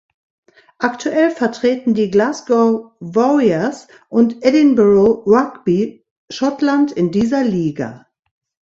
Aktuell vertreten die Glasgow Warriors und Edinburgh Rugby Schottland in dieser Liga.